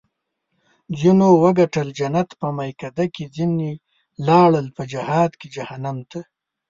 ځینو وګټل جنت په میکده کې ځیني لاړل په جهاد کې جهنم ته